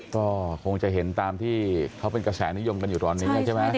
ก็คงจะเห็นตามที่เขาเป็นกระแสนิยมกันอยู่ตอนนี้ใช่ไหม